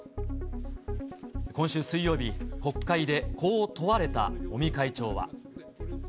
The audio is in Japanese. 今週水曜日、国会でこう問われた尾身会長は。